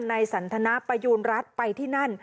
นายศรันทนประยูนรัฐไปที่นั่น